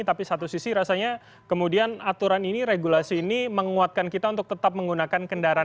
tapi satu sisi rasanya kemudian aturan ini regulasi ini menguatkan kita untuk tetap menggunakan kendaraan